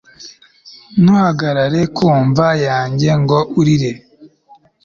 Ntuhagarare ku mva yanjye ngo urire